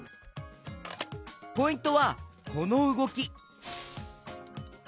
ポイントはこのうごき！